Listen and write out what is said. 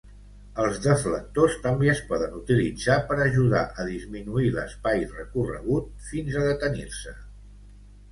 Els deflectors també es poden utilitzar per ajudar a disminuir l'espai recorregut fins a detenir-se.